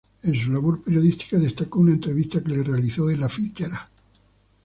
En su labor periodística destacó una entrevista que le realizó a Ella Fitzgerald.